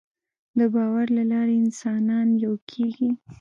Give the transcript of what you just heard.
د باور له لارې انسانان یو کېږي.